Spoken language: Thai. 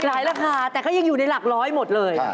หลายราคาแต่ก็ยังอยู่ในหลัก๑๐๐บาทหมดเลย